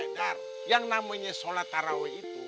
eh dar yang namanya sholat taraweh itu